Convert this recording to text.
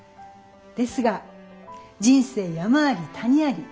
ですが人生山あり谷あり。